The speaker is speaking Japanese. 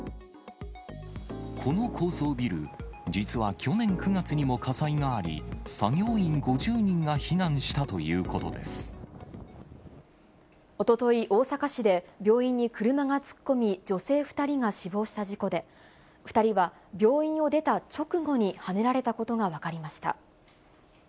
この高層ビル、実は去年９月にも火災があり、作業員５０人が避難したというこおととい、大阪市で病院に車が突っ込み、女性２人が死亡した事故で、２人は病院を出た直後にはねられたことが分かりました。